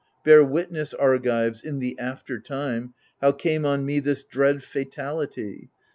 Bear witness, Argives, in the after time. How came on me this dread fatality.